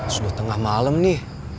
sudah tengah malam ini